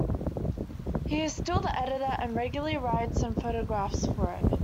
He is still the editor and regularly writes and photographs for it.